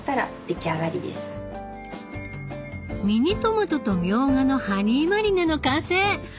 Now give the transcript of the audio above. ミニトマトとみょうがのハニーマリネの完成！